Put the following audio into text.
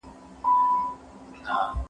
سوسیالیزم شخصي ملکیت ته ارزښت نه ورکوي.